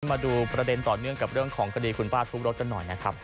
มาดูประเด็นต่อเนื่องกับเรื่องของคดีคุณป้าทุบรถกันหน่อยนะครับ